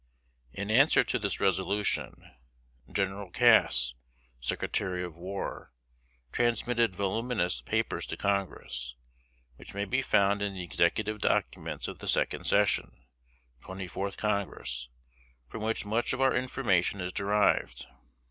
In answer to this resolution, General Cass, Secretary of War, transmitted voluminous papers to Congress, which may be found in the Executive Documents of the second session, Twenty fourth Congress, from which much of our information is derived.